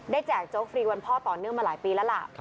แจกโจ๊กฟรีวันพ่อต่อเนื่องมาหลายปีแล้วล่ะ